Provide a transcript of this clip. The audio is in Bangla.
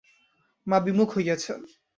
মা বিমুখ হইয়াছেন।